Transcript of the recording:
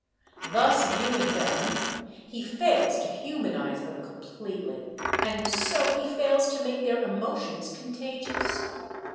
Thus viewing them, he fails to humanize them completely, and so he fails to make their emotions contagious.